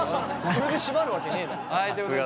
それで締まるわけねえだろ。